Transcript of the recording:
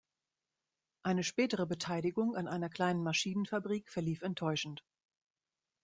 Eine spätere Beteiligung an einer kleinen Maschinenfabrik verlief enttäuschend.